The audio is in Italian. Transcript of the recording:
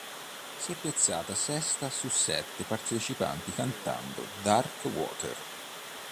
Si è piazzata sesta su sette partecipanti cantando "Dark Water".